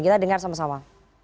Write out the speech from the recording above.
kita dengar sama sama